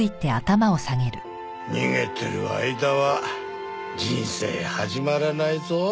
逃げてる間は人生始まらないぞ。